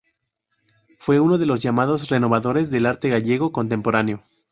Fue uno de los llamados "renovadores del arte gallego contemporáneo".